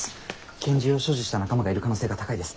拳銃を所持した仲間がいる可能性が高いです。